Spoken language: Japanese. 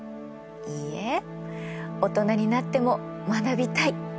いいえ大人になっても学びたい。